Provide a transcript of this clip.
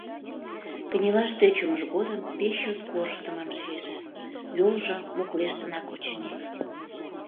Кынелаш тӧчымыж годым пеш чот корштымым шиже, йолжо моклештынак, очыни.